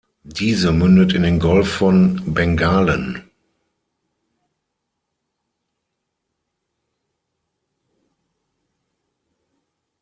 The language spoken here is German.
Diese mündet in den Golf von Bengalen.